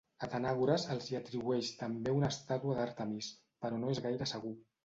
Atenàgores els hi atribueix també una estàtua d'Àrtemis, però no és gaire segur.